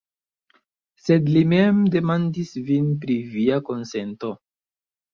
Sed li mem demandis vin pri via konsento.